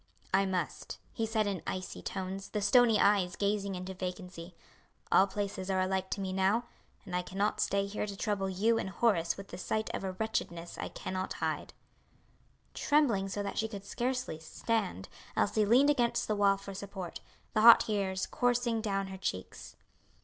"I must," he said in icy tones, the stony eyes gazing into vacancy; "all places are alike to me now, and I cannot stay here to trouble you and Horace with the sight of a wretchedness I cannot hide." Trembling so that she could scarcely stand, Elsie leaned against the wall for support, the hot tears coursing down her cheeks.